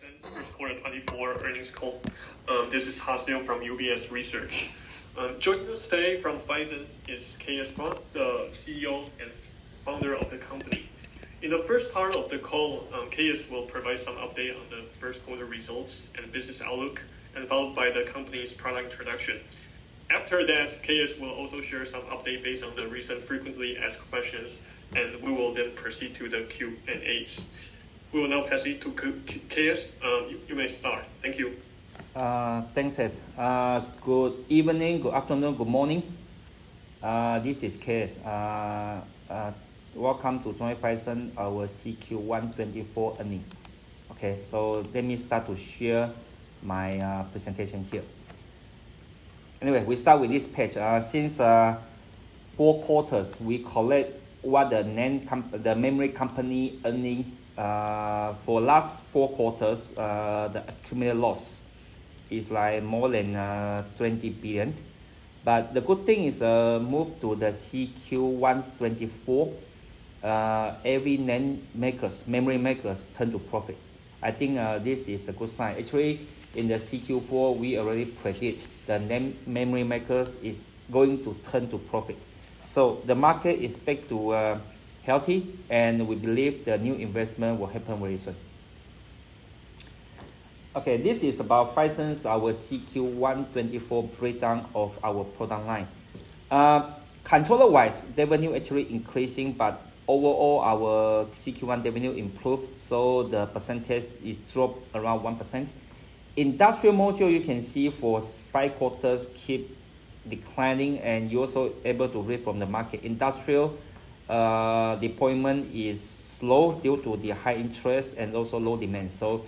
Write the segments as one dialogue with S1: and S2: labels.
S1: Phison first quarter 2024 earnings call, this is Sunny Lin from UBS Research. Joining us today from Phison is K.S. Pua, the CEO and founder of the company. In the first part of the call, K.S. will provide some update on the first quarter results and business outlook, followed by the company's product introduction. After that, K.S. will also share some update based on the recent frequently asked questions, and we will then proceed to the Q&As. We will now pass it to K.S., you may start. Thank you.
S2: Thanks, S. Good evening, good afternoon, good morning. This is K.S. Welcome to join Phison with CQ1 2024 earnings. Okay, so let me start to share my presentation here. Anyway, we start with this page. Since four quarters, we collect the NAND, the memory companies' earnings for last four quarters, the accumulated loss is like more than 20 billion. But the good thing is, move to the CQ1 2024, every NAND makers, memory makers turn to profit. I think this is a good sign. Actually, in the CQ4, we already predict the NAND memory makers is going to turn to profit. So the market is back to healthy, and we believe the new investment will happen very soon. Okay, this is about Phison's CQ1 2024 breakdown of our product line. Controller-wise, revenue actually increasing, but overall our CQ1 revenue improved, so the percentage is dropped around 1%. Industrial module, you can see for five quarters keep declining, and you're also able to read from the market. Industrial deployment is slow due to the high interest and also low demand. So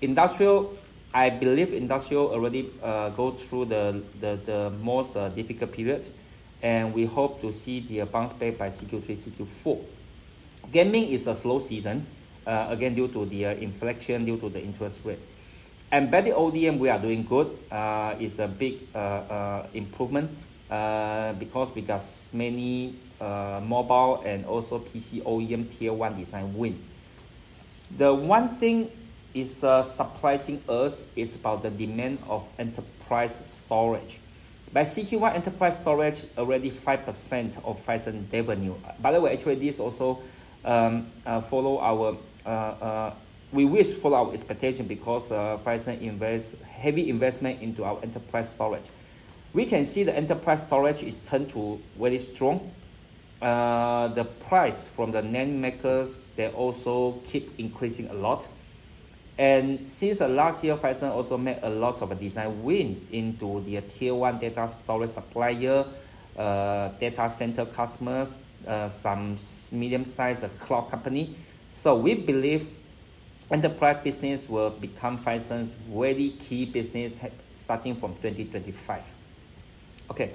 S2: industrial, I believe industrial already go through the most difficult period, and we hope to see the bounce back by CQ3, CQ4. Gaming is a slow season, again due to the inflection due to the interest rate. Embedded OEM we are doing good, is a big improvement, because we got many mobile and also PC OEM tier one design win. The one thing is surprising us is about the demand of enterprise storage. By CQ1, enterprise storage already 5% of Phison revenue. By the way, actually this also follow our, we wish follow our expectation because Phison invest heavy investment into our enterprise storage. We can see the enterprise storage is turned to very strong. The price from the NAND makers, they also keep increasing a lot. And since last year, Phison also made a lot of a design win into the tier one data storage supplier, data center customers, some medium-sized cloud company. So we believe enterprise business will become Phison's very key business starting from 2025. Okay.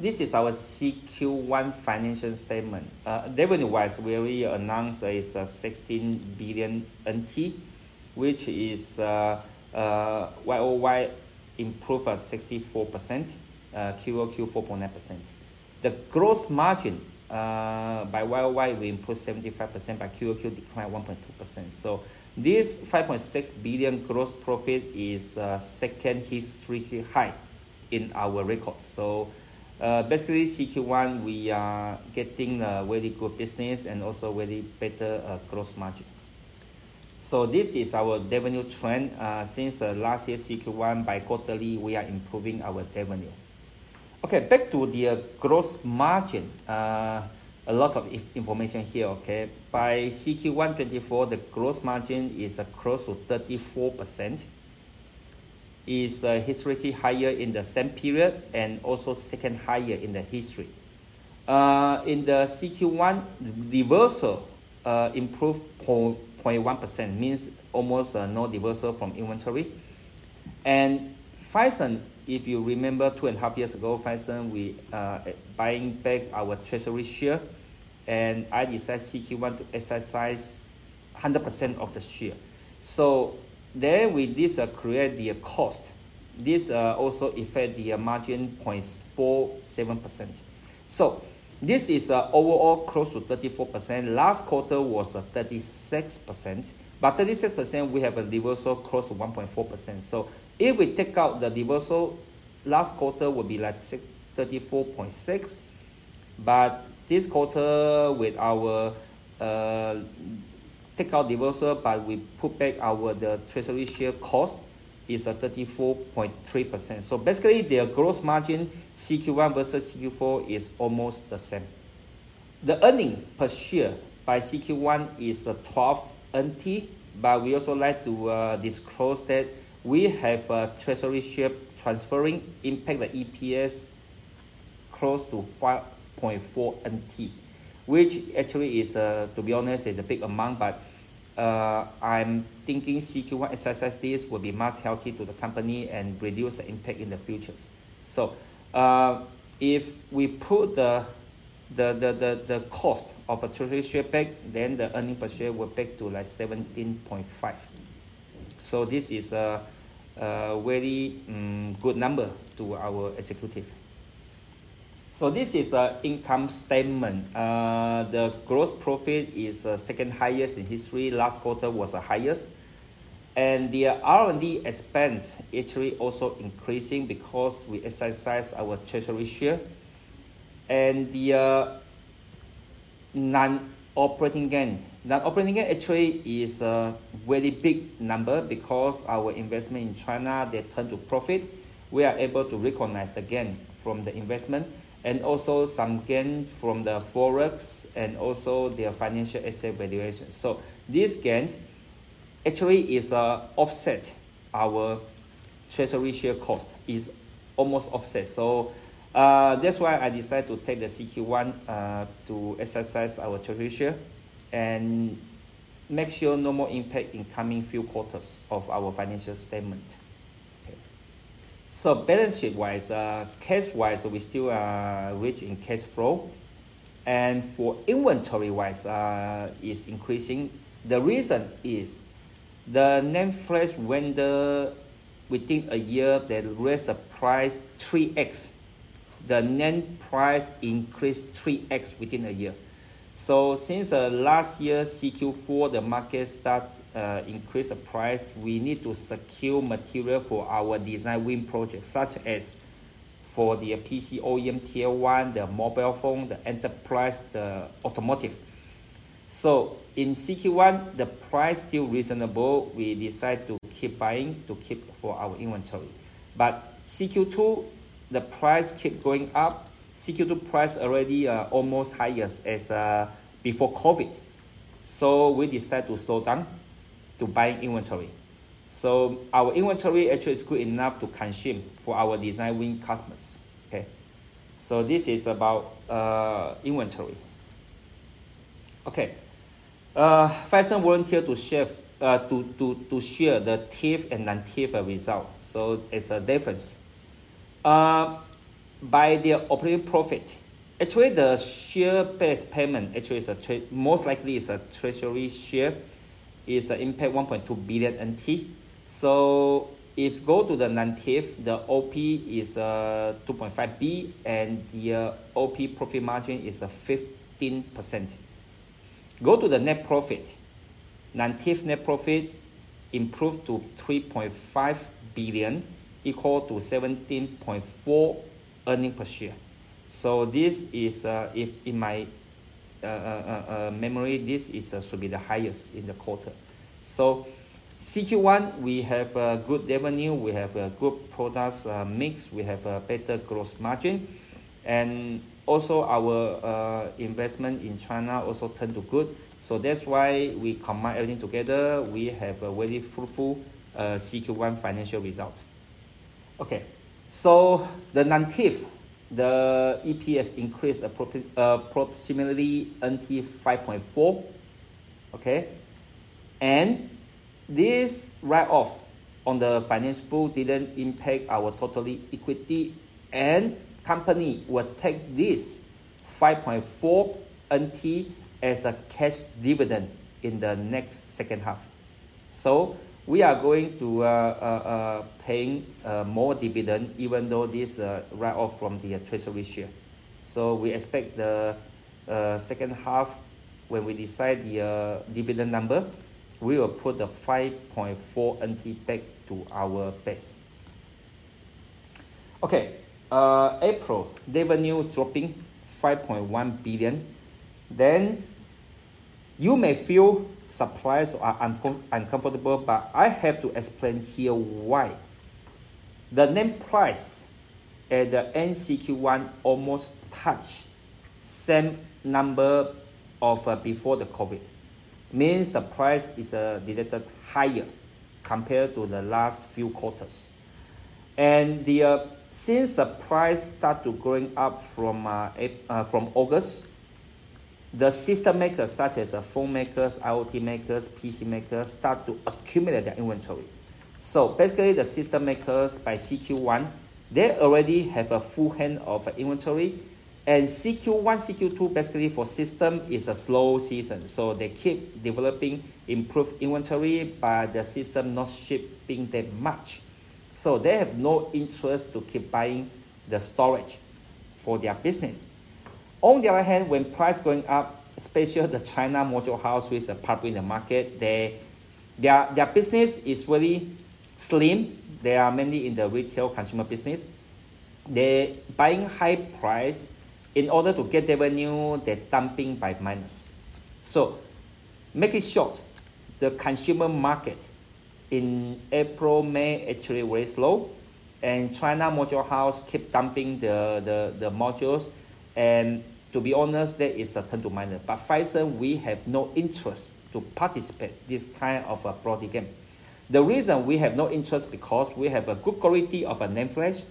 S2: This is our CQ1 financial statement. Revenue-wise, we already announced is, 16 billion NT, which is, year-over-year improved at 64%, quarter-over-quarter 4.9%. The gross margin, by year-over-year we improved 75%, by quarter-over-quarter declined 1.2%. So this 5.6 billion gross profit is, second history high in our record. So, basically CQ1 we are getting, very good business and also very better, gross margin. So this is our revenue trend, since last year CQ1 each quarterly we are improving our revenue. Okay, back to the gross margin, a lot of information here, okay? By CQ1 2024, the gross margin is close to 34%. It's historically higher in the same period and also second higher in the history. In the CQ1, reversal improved 0.1%, means almost no reversal from inventory. And Phison, if you remember two and a half years ago, Phison we were buying back our treasury share, and I decided CQ1 to exercise 100% of the share. So then with this create the cost. This also affect the margin 0.47%. So this is overall close to 34%. Last quarter was 36%, but 36% we have a reversal close to 1.4%. So if we take out the reversal, last quarter would be like 34.6%, but this quarter with our take out reversal but we put back our the treasury share cost is 34.3%. So basically the gross margin CQ1 versus CQ4 is almost the same. The earnings per share for CQ1 is 12 NT, but we also like to disclose that we have a treasury share transfer impact on the EPS close to 5.4 NT, which actually is, to be honest, a big amount, but, I'm thinking CQ1 exercising this would be much healthier to the company and reduce the impact in the future. So, if we put the cost of a treasury share back, then the earnings per share will be back to like 17.5%. So this is a very good number to our executive. So this is the income statement. The gross profit is the second highest in history. Last quarter was the highest. And the R&D expense actually also increasing because we exercise our treasury share. And the non-operating gain. The non-operating gain actually is a very big number because our investment in China, they turn to profit. We are able to recognize the gain from the investment and also some gain from the forex and also their financial asset valuation. So this gain actually is offset our treasury share cost. It's almost offset. So, that's why I decided to take the CQ1, to exercise our treasury share and make sure no more impact in coming few quarters of our financial statement. Okay. So balance sheet-wise, cash-wise we still rich in cash flow. And for inventory-wise, it's increasing. The reason is the NAND Flash vendor within a year they raise the price 3x. The NAND price increased 3x within a year. So since last year CQ4 the market start increase the price, we need to secure material for our design win project such as for the PC OEM tier one, the mobile phone, the enterprise, the automotive. So in CQ1 the price is still reasonable, we decide to keep buying to keep for our inventory. But CQ2 the price keeps going up. CQ2 price already almost as high as before COVID. So we decide to slow down to buy inventory. So our inventory actually is good enough to consume for our design win customers. Okay. So this is about inventory. Okay. Phison volunteers to share the IFRS and non-IFRS results. So it's a difference by the operating profit, actually the share-based payment actually is most likely a treasury share, is an impact 1.2 billion NT. So if go to the non-IFRS, the OP is 2.5 billion and the OP profit margin is 15%. Go to the net profit, non-IFRS net profit improved to 3.5 billion equal to 17.4 earnings per share. So, if in my memory, this should be the highest in the quarter. So CQ1 we have a good revenue, we have a good product mix, we have a better gross margin and also our investment in China also turned out good. So that's why we combine everything together, we have a very fruitful CQ1 financial result. Okay. So the non-IFRS, the EPS increased approximately 5.4. Okay. And this write-off on the financial book didn't impact our total equity and company will take this 5.4 NT as a cash dividend in the next second half. So we are going to pay more dividend even though this write-off from the treasury share. So we expect the second half when we decide the dividend number, we will put the 5.4 NT back to our base. Okay. April revenue dropping 5.1 billion. Then you may feel surprised or uncomfortable, but I have to explain here why. The NAND price at the end CQ1 almost touched same number as before the COVID. Means the price is expected higher compared to the last few quarters. And since the price started to growing up from August, the system makers such as phone makers, IoT makers, PC makers start to accumulate their inventory. So basically the system makers by CQ1, they already have a full hand of inventory and CQ1, CQ2 basically for system is a slow season. So they keep developing improved inventory but the system not shipping that much. So they have no interest to keep buying the storage for their business. On the other hand, when price going up, especially the China module house which is popping in the market, their business is very slim. They are mainly in the retail consumer business. They're buying high price. In order to get revenue, they're dumping by minus. So make it short, the consumer market in April, May actually very slow and China module house keep dumping the modules and to be honest that is a turn to minus. But Phison, we have no interest to participate this kind of a bloody game. The reason we have no interest because we have a good quality of a NAND flash,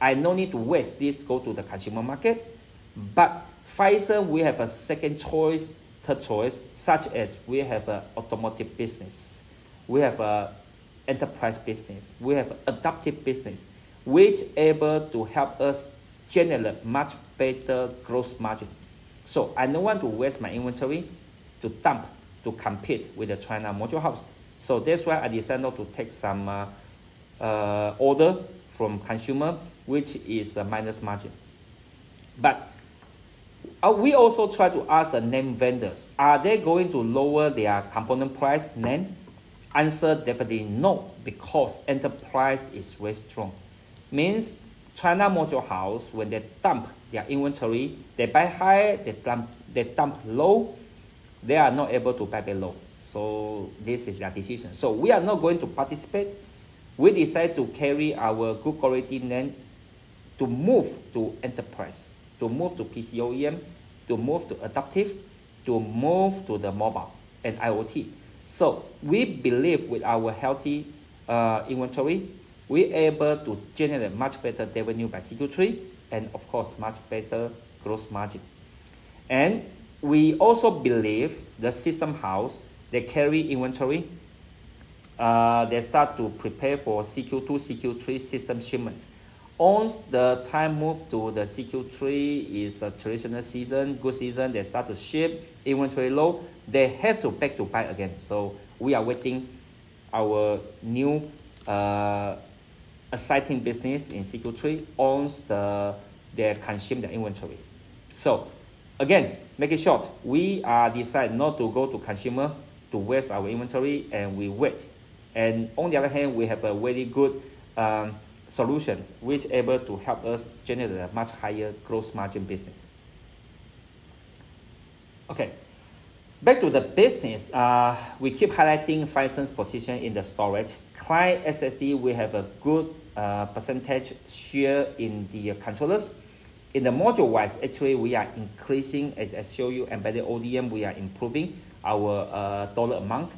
S2: I no need to waste this go to the consumer market. But Phison, we have a second choice, third choice such as we have an automotive business, we have an enterprise business, we have an aiDAPTIV+ business which able to help us generate much better gross margin. So I no want to waste my inventory to dump to compete with the China module house. So that's why I decided not to take some order from consumer which is a minus margin. But we also try to ask the NAND vendors, are they going to lower their component price NAND? Answer definitely no because enterprise is very strong. Means China module house when they dump their inventory, they buy higher, they dump, they dump low, they are not able to buy back low. So this is their decision. So we are not going to participate. We decide to carry our good quality NAND to move to enterprise, to move to PC OEM, to move to aiDAPTIV+, to move to the mobile and IoT. So we believe with our healthy inventory, we able to generate much better revenue by CQ3 and of course much better gross margin. And we also believe the system house, they carry inventory, they start to prepare for CQ2, CQ3 system shipment. Once the time moves to the CQ3 is a traditional season, good season, they start to ship inventory low, they have to back to buy again. So we are waiting our new, exciting business in CQ3 once they consume their inventory. So again, make it short, we are decide not to go to consumer to waste our inventory and we wait. And on the other hand, we have a very good, solution which able to help us generate a much higher gross margin business. Okay. Back to the business, we keep highlighting Phison's position in the storage. Client SSD, we have a good, percentage share in the controllers. In the module-wise, actually we are increasing as also embedded ODM, we are improving our, dollar amount.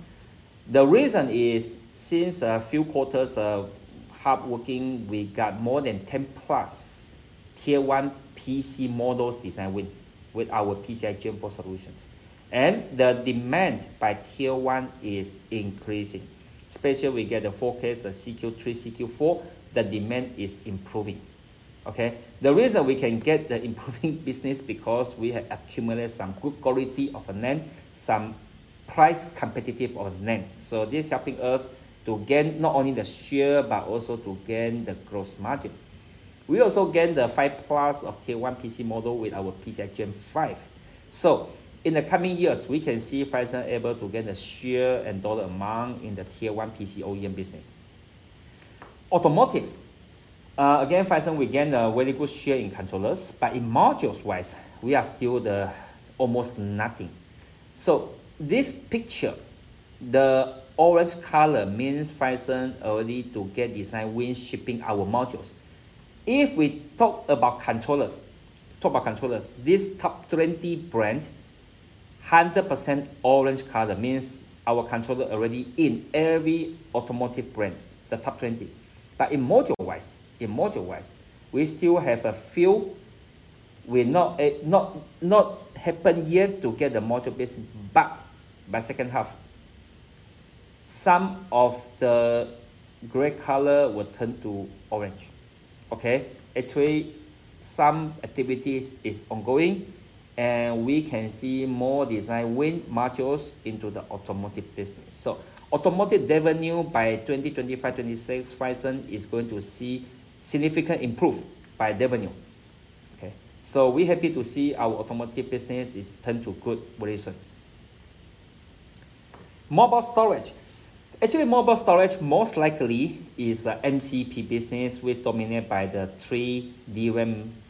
S2: The reason is since a few quarters, hard working, we got more than 10+ tier one PC models design win with our PCIe Gen4 solutions. The demand by tier one is increasing. Especially we get the forecast CQ3, CQ4, the demand is improving. Okay. The reason we can get the improving business because we have accumulated some good quality of NAND, some price competitive of NAND. So this helping us to gain not only the share but also to gain the gross margin. We also gain the 5+ of tier one PC model with our PCIe Gen5. So in the coming years, we can see Phison able to get the share and dollar amount in the tier one PC OEM business. Automotive, again Phison, we gain a very good share in controllers but in modules-wise, we are still the almost nothing. So this picture, the orange color means Phison early to get design win shipping our modules. If we talk about controllers, talk about controllers, this top 20 brand, 100% orange color means our controller already in every automotive brand, the top 20. But in module-wise, in module-wise, we still have a few, we not happen yet to get the module business but by second half, some of the gray color will turn to orange. Okay. Actually some activities is ongoing and we can see more design win modules into the automotive business. So automotive revenue by 2025, 2026, Phison is going to see significant improve by revenue. Okay. So we happy to see our automotive business is turned to good very soon. Mobile storage. Actually mobile storage most likely is a MCP business which dominate by the three DRAM key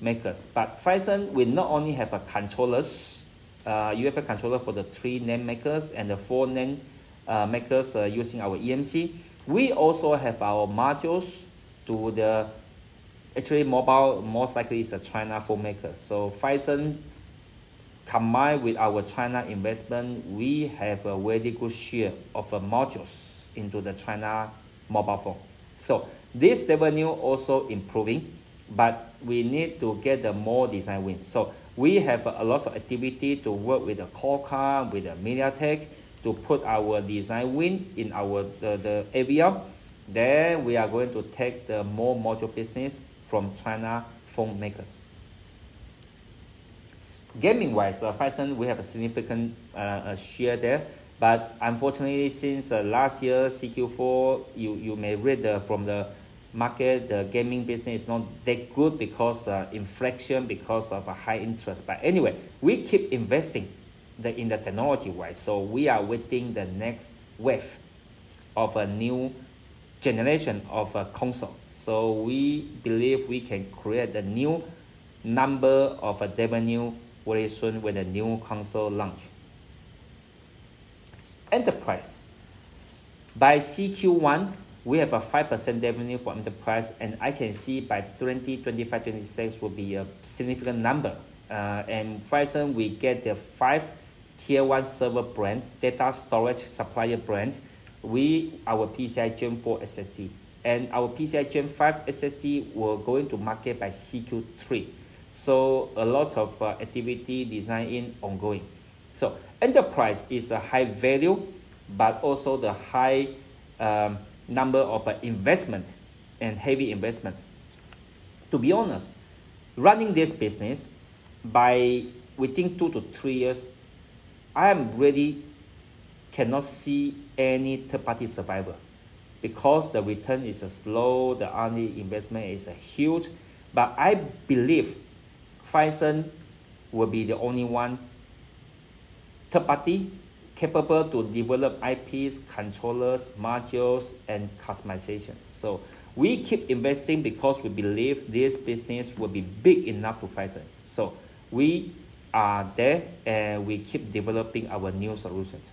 S2: makers. But Phison, we not only have controllers, we have a controller for the three NAND makers and the four NAND makers, using our eMMC. We also have our modules to the actually mobile most likely is a China phone maker. So Phison combine with our China investment, we have a very good share of modules into the China mobile phone. So this revenue also improving but we need to get the more design win. So we have a lot of activity to work with the Qualcomm, with the MediaTek to put our design win in our the area. Then we are going to take the more module business from China phone makers. Gaming-wise, Phison, we have a significant share there but unfortunately since last year CQ4, you may read from the market, the gaming business is not that good because of inflation, because of high interest. But anyway, we keep investing in the technology-wise. So we are waiting the next wave of a new generation of a console. So we believe we can create a new number of revenue very soon when the new console launch. Enterprise. By CQ1, we have a 5% revenue for enterprise and I can see by 2025, 2026 will be a significant number. And Phison, we get the five tier one server brand, data storage supplier brand, we, our PCIe Gen4 SSD and our PCIe Gen5 SSD will go into market by CQ3. So a lot of activity design in ongoing. So enterprise is a high value but also the high, number of investment and heavy investment. To be honest, running this business by within two-three years, I am really cannot see any third party survivor because the return is slow, the early investment is huge. But I believe Phison will be the only one third party capable to develop IPs, controllers, modules, and customization. So we keep investing because we believe this business will be big enough to Phison. So we are there and we keep developing our new solutions.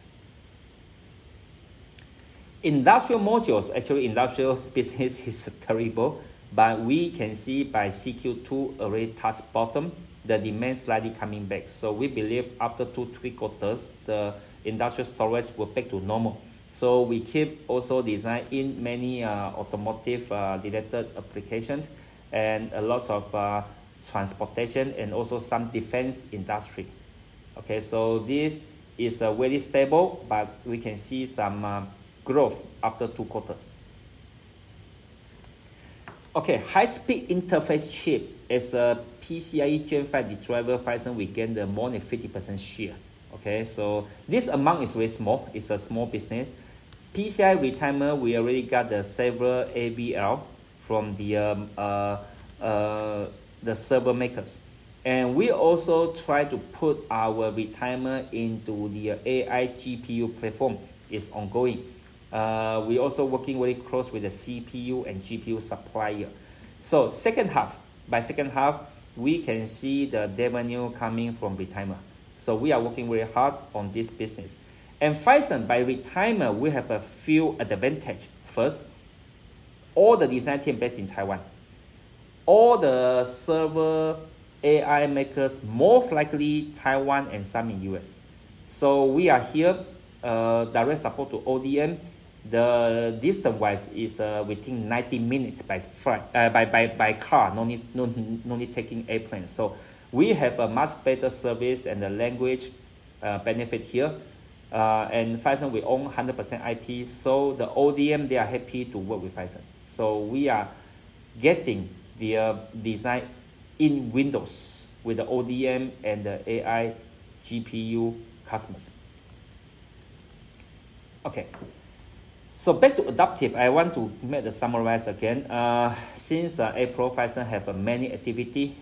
S2: Industrial modules, actually industrial business is terrible but we can see by CQ2 already touch bottom, the demand slightly coming back. So we believe after two-three quarters, the industrial storage will back to normal. So we keep also design in many, automotive, dedicated applications and a lot of, transportation and also some defense industry. Okay. So this is very stable but we can see some, growth after two quarters. Okay. High speed interface chip as a PCIe Gen5 Redriver, Phison, we gain the more than 50% share. Okay. So this amount is very small, it's a small business. PCIe retimer, we already got the several AVL from the server makers and we also try to put our retimer into the AI GPU platform is ongoing. We also working very close with the CPU and GPU supplier. So second half, by second half, we can see the revenue coming from retimer. So we are working very hard on this business. And Phison, by retimer, we have a few advantage. First, all the design team based in Taiwan, all the server AI makers, most likely Taiwan and some in U.S.. So we are here, direct support to ODM. The distance-wise is, within 90 minutes by car, no need taking airplane. So we have a much better service and the language benefit here. And Phison, we own 100% IP. So the ODM, they are happy to work with Phison. So we are getting their design in Windows with the ODM and the AI GPU customers. Okay. So back to aiDAPTIV+, I want to make the summarize again. Since April, Phison has many activity.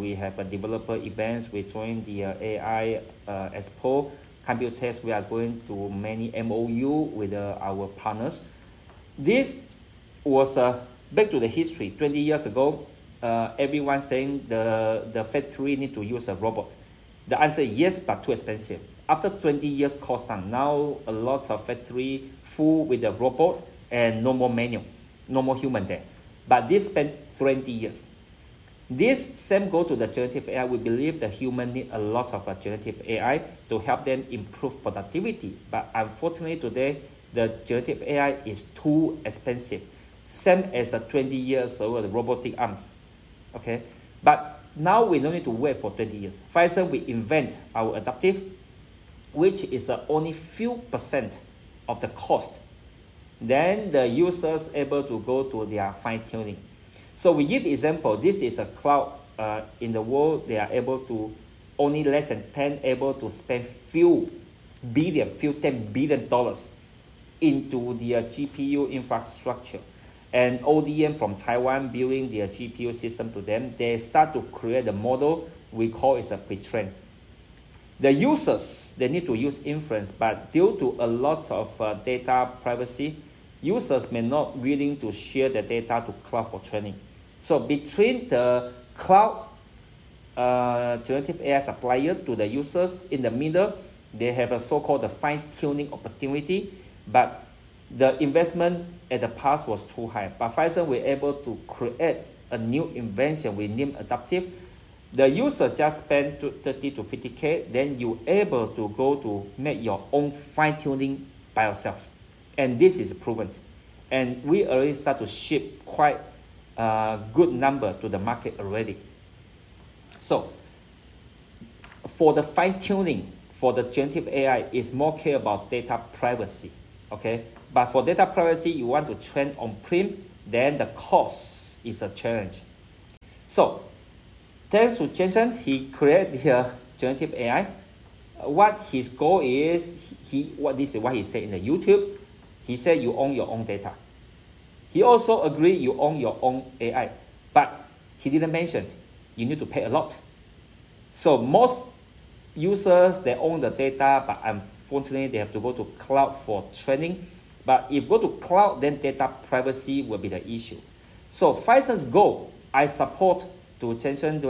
S2: We have a developer events, we join the AI Expo, COMPUTEX, we are going to many MOU with our partners. This was, back to the history 20 years ago, everyone saying the factory need to use a robot. The answer is yes but too expensive. After 20 years cost time, now a lot of factory full with a robot and no more manual, no more human there. But this spent 20 years. This same go to the generative AI. We believe the human need a lot of generative AI to help them improve productivity but unfortunately today, the generative AI is too expensive. Same as 20 years ago the robotic arms. Okay. But now we no need to wait for 20 years. Phison, we invent our aiDAPTIV+ which is only few% of the cost. Then the users able to go to their fine-tuning. So we give example, this is a cloud, in the world, they are able to only less than 10 able to spend few billion, few 10 billion dollars into their GPU infrastructure and ODM from Taiwan building their GPU system to them, they start to create the model we call it a pre-train. The users, they need to use inference but due to a lot of data privacy, users may not willing to share the data to cloud for training. So between the cloud, generative AI supplier to the users in the middle, they have a so-called the fine-tuning opportunity but the investment at the past was too high. But Phison, we able to create a new invention, we name aiDAPTIV+, the user just spend 30,000-50,000, then you able to go to make your own fine tuning by yourself and this is proven and we already start to ship quite good number to the market already. So for the fine tuning, for the generative AI, it's more care about data privacy. Okay. But for data privacy, you want to train on prem, then the cost is a challenge. So thanks to Jensen, he created the generative AI. What his goal is, he, what this is what he said in the YouTube, he said you own your own data. He also agreed you own your own AI but he didn't mention you need to pay a lot. So most users, they own the data but unfortunately they have to go to cloud for training but if go to cloud, then data privacy will be the issue. So Phison's goal, I spoke to Jensen,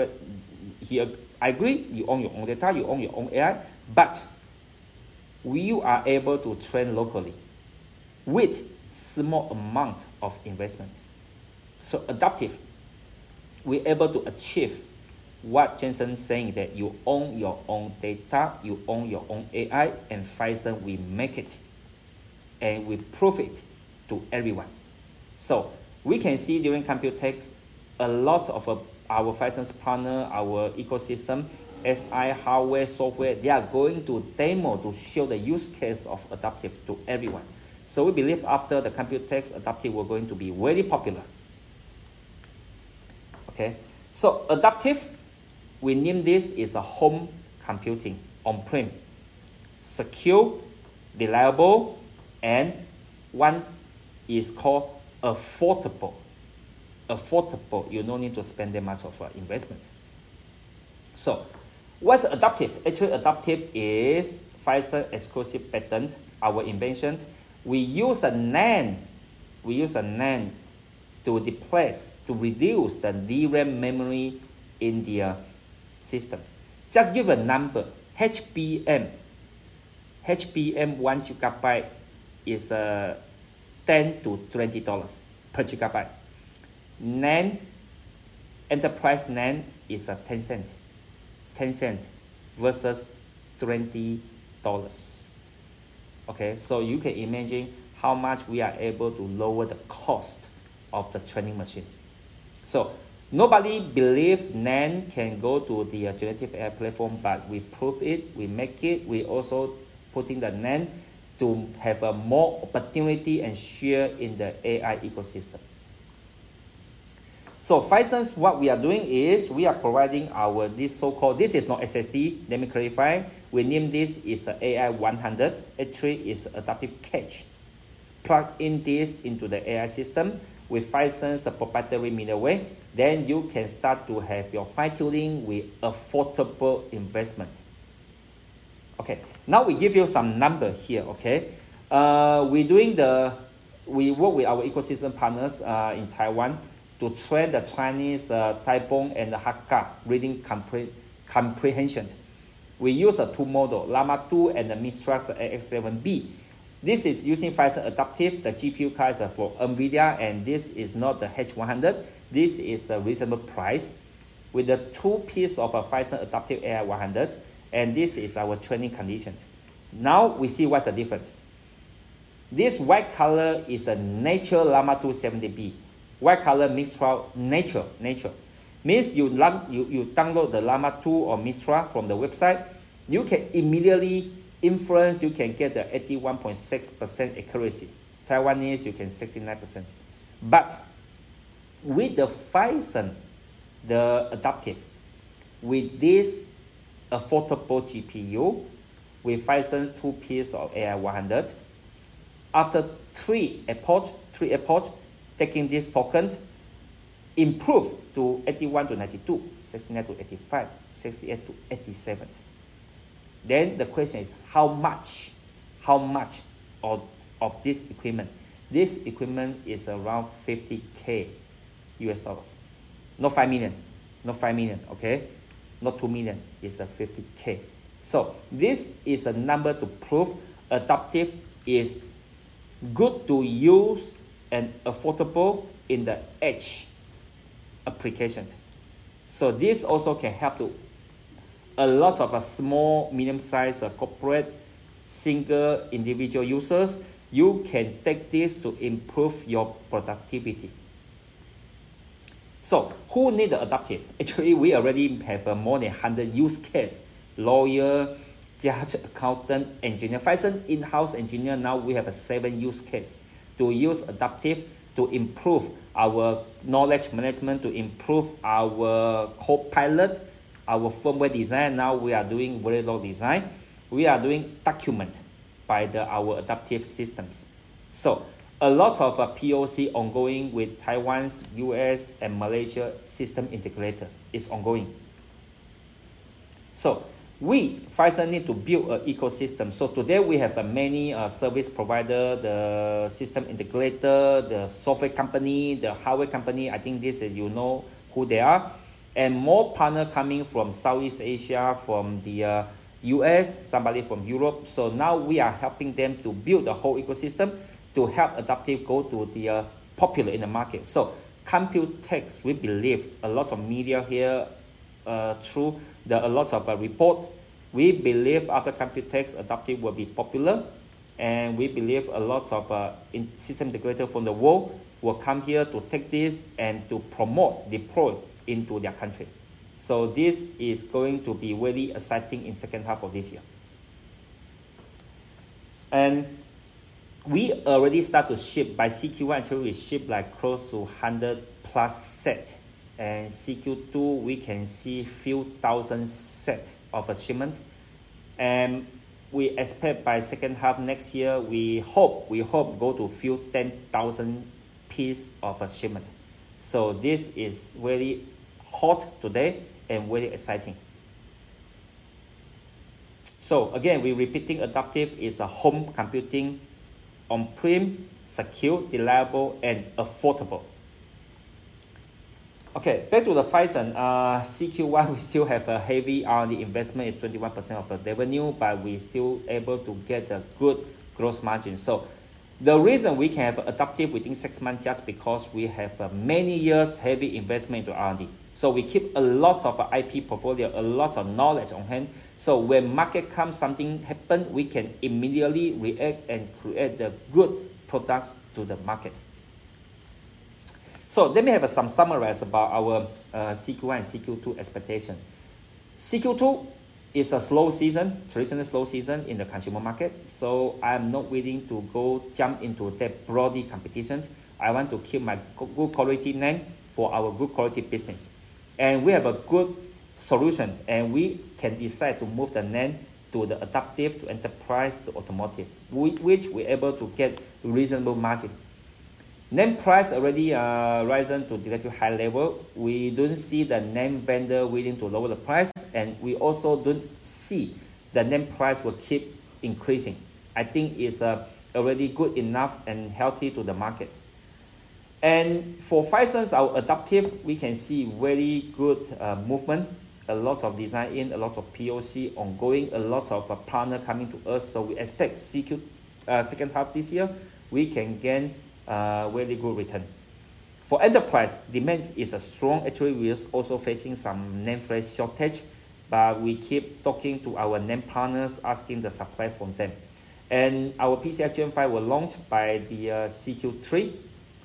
S2: he agreed you own your own data, you own your own AI but you are able to train locally with small amount of investment. So aiDAPTIV+, we able to achieve what Jensen saying that you own your own data, you own your own AI and Phison, we make it and we prove it to everyone. So we can see during COMPUTEX, a lot of our Phison's partner, our ecosystem, SI, hardware, software, they are going to demo to show the use case of aiDAPTIV+ to everyone. So we believe after the COMPUTEX, aiDAPTIV+ will going to be very popular. Okay. So aiDAPTIV+, we name this is a home computing on prem, secure, reliable and one is called affordable. Affordable, you no need to spend that much of investment. So what's aiDAPTIV+? Actually aiDAPTIV+ is Phison exclusive patent, our invention. We use a NAND, we use a NAND to replace, to reduce the DRAM memory in their systems. Just give a number, HBM, HBM 1 GB is $10-$20 per gigabyte. NAND, enterprise NAND is a $0.10, $0.10 versus $20. Okay. So you can imagine how much we are able to lower the cost of the training machine. So nobody believe NAND can go to the generative AI platform but we prove it, we make it, we also putting the NAND to have a more opportunity and share in the AI ecosystem. So Phison, what we are doing is we are providing our this so-called, this is not SSD, let me clarify, we name this is AI100. Actually it's aiDAPTIV+ cache. Plug in this into the AI system with Phison's proprietary middleware, then you can start to have your fine-tuning with affordable investment. Okay. Now we give you some number here. Okay. We're doing the, we work with our ecosystem partners, in Taiwan to train the Chinese Taipei and the Hakka reading comprehension. We use a two model, Llama 2 and the Mistral 7B. This is using Phison aiDAPTIV+, the GPU card is for NVIDIA and this is not the H100, this is a reasonable price with the two piece of a Phison aiDAPTIV+ AI100 and this is our training condition. Now we see what's the difference. This white color is a natural Llama 2 70B. White color means nature, nature. Means you download the Llama 2 or Mistral from the website, you can immediately inference, you can get the 81.6% accuracy. Taiwanese, you can 69%. But with the Phison, the aiDAPTIV+, with this affordable GPU, with Phison's two piece of Ai100, after three approach, three approach, taking this token, improve to 81%-92%, 69%-85%, 68%-87%. Then the question is how much, how much of this equipment? This equipment is around $50,000. Not $5 million, not $5 million. Okay. Not $2 million, it's $50,000. So this is a number to prove aiDAPTIV+ is good to use and affordable in the edge applications. So this also can help to a lot of small, medium size, corporate, single, individual users, you can take this to improve your productivity. So who need the aiDAPTIV+? Actually we already have more than 100 use cases, lawyer, judge, accountant, engineer. Phison in-house engineer, now we have a seven use case to use aiDAPTIV+ to improve our knowledge management, to improve our copilot, our firmware design. Now we are doing very low design. We are doing document by our aiDAPTIV+ systems. So a lot of POC ongoing with Taiwan's, U.S. and Malaysia system integrators is ongoing. So we, Phison, need to build an ecosystem. So today we have many service provider, the system integrator, the software company, the hardware company, I think this is you know who they are and more partner coming from Southeast Asia, from the U.S., somebody from Europe. So now we are helping them to build the whole ecosystem to help aiDAPTIV+ go to the popular in the market. So COMPUTEX, we believe a lot of media here, through the a lot of report, we believe after COMPUTEX, aiDAPTIV+ will be popular and we believe a lot of, system integrator from the world will come here to take this and to promote, deploy into their country. So this is going to be very exciting in second half of this year. And we already start to ship by CQ1, actually we ship like close to 100+ sets and CQ2 we can see a few 1,000 sets of assignment and we expect by second half next year, we hope, we hope go to a few 10,000 pieces of assignment. So this is very hot today and very exciting. So again, we repeating aiDAPTIV+ is a home computing on prem, secure, reliable and affordable. Okay. Back to Phison, CQ1 we still have a heavy R&D investment is 21% of the revenue but we still able to get a good gross margin. So the reason we can have aiDAPTIV+ within six months just because we have many years heavy investment into R&D. So we keep a lot of IP portfolio, a lot of knowledge on hand. So when market come, something happen, we can immediately react and create the good products to the market. So let me have some summary about our CQ1 and CQ2 expectation. CQ2 is a slow season, traditionally slow season in the consumer market. So I am not willing to go jump into that broadly competition. I want to keep my good quality NAND for our good quality business and we have a good solution and we can decide to move the NAND to the aiDAPTIV+, to enterprise, to automotive which we able to get reasonable market. NAND price already risen to relatively high level. We don't see the NAND vendor willing to lower the price and we also don't see the NAND price will keep increasing. I think it's already good enough and healthy to the market. For Phison's aiDAPTIV+, we can see very good movement, a lot of design in, a lot of POC ongoing, a lot of partner coming to us. So we expect second half this year, we can get very good return. For enterprise, demand is strong actually. We are also facing some NAND flash shortage, but we keep talking to our NAND partners, asking the supply from them. Our PCIe Gen 5 were launched by the CQ3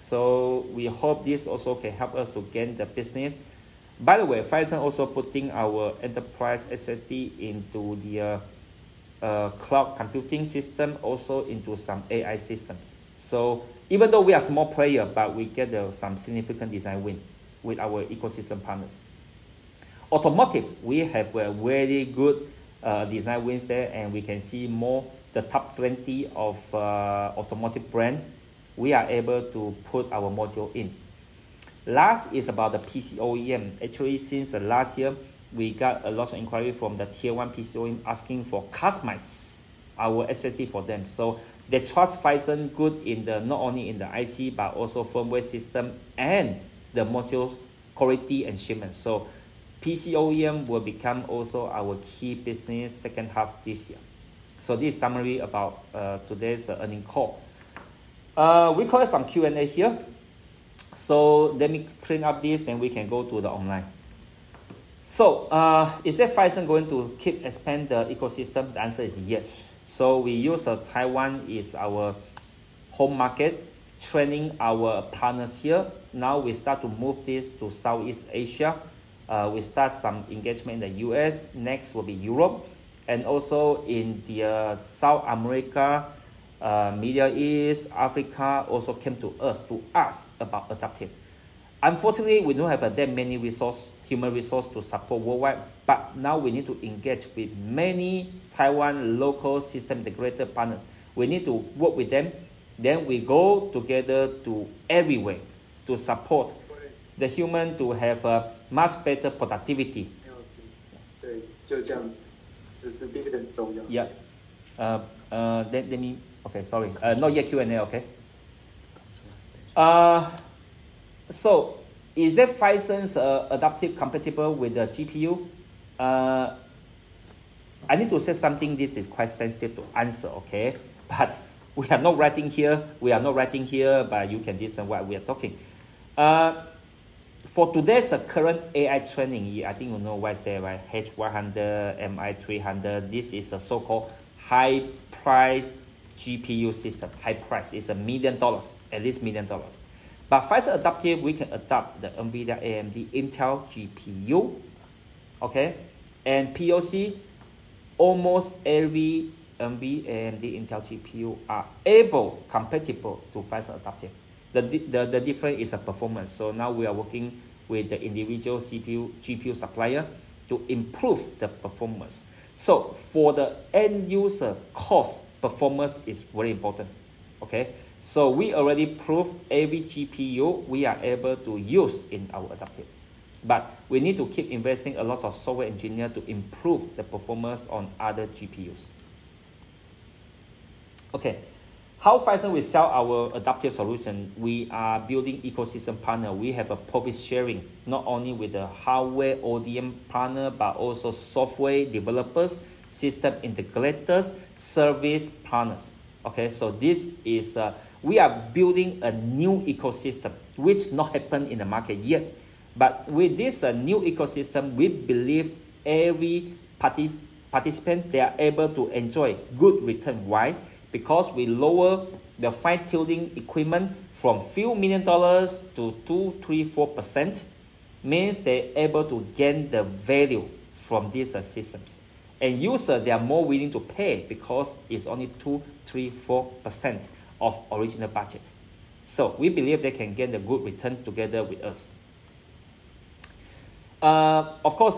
S2: so we hope this also can help us to gain the business. By the way, Phison also putting our enterprise SSD into the cloud computing system, also into some AI systems. So even though we are small player but we get some significant design win with our ecosystem partners. Automotive, we have very good design wins there and we can see more the top 20 of automotive brand we are able to put our module in. Last is about the PC OEM. Actually since last year, we got a lot of inquiry from the tier one PC OEM asking for customized our SSD for them. So they trust Phison good not only in the IC but also firmware system and the module quality assignment. So PC OEM will become also our key business second half this year. So this is summary about today's earnings call. We call it some Q&A here. So let me clean up this, then we can go to the online. So is it Phison going to keep expand the ecosystem? The answer is yes. So we use Taiwan as our home market, training our partners here. Now we start to move this to Southeast Asia. We start some engagement in the U.S., next will be Europe and also South America, Middle East, Africa also came to us to ask about aiDAPTIV+. Unfortunately, we don't have that many resources, human resources to support worldwide but now we need to engage with many Taiwan local system integrator partners. We need to work with them, then we go together to everywhere to support the human to have a much better productivity. Yes. Let me, okay, sorry. So is it Phison's aiDAPTIV+ compatible with the GPU? I need to say something this is quite sensitive to answer, okay? But we are not writing here, we are not writing here but you can listen what we are talking. For today's current AI training, I think you know what's there, right? H100, MI300, this is a so-called high price GPU system. High price, it's a million dollars, at least million dollars. But Phison aiDAPTIV+, we can adopt the NVIDIA, AMD, Intel GPU, okay? And POC, almost every NVIDIA, AMD, Intel GPU are able, compatible to Phison aiDAPTIV+. The difference is a performance. So now we are working with the individual CPU, GPU supplier to improve the performance. So for the end user cost, performance is very important, okay? So we already prove every GPU we are able to use in our aiDAPTIV+ but we need to keep investing a lot of software engineer to improve the performance on other GPUs. Okay. How Phison will sell our aiDAPTIV+ solution? We are building ecosystem partner. We have a profit sharing not only with the hardware ODM partner but also software developers, system integrators, service partners. Okay. So this is we are building a new ecosystem which not happen in the market yet but with this new ecosystem, we believe every participant, they are able to enjoy good return. Why? Because we lower the fine tuning equipment from few million dollars to 2%,3%,4% means they're able to gain the value from these systems and user, they are more willing to pay because it's only 2%,3%,4% of original budget. So we believe they can get the good return together with us. Of course,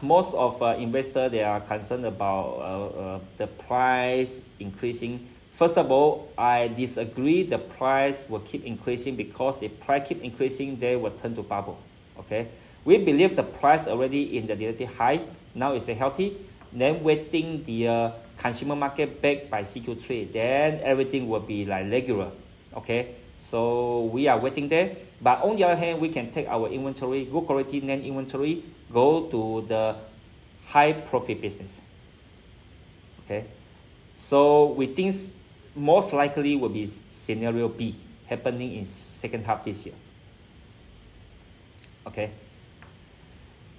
S2: most of investors, they are concerned about the price increasing. First of all, I disagree the price will keep increasing because if price keep increasing, they will turn to bubble, okay? We believe the price already in the relatively high, now it's healthy, then waiting the consumer market back by CQ3, then everything will be like regular, okay? So we are waiting there but on the other hand, we can take our inventory, good quality NAND inventory, go to the high profit business, okay? So we think most likely will be scenario B happening in second half this year, okay?